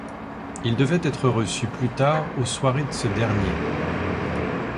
Il devait être reçu plus tard aux soirées de ce dernier.